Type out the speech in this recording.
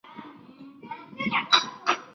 撤乡设镇后行政区域和政府驻地不变。